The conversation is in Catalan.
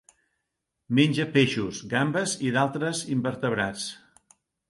Menja peixos, gambes i d'altres invertebrats.